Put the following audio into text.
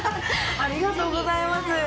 ありがとうございます。